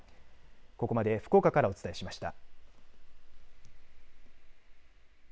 ここまで福岡からお伝えしました。